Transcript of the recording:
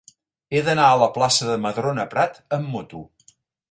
He d'anar a la plaça de Madrona Prat amb moto.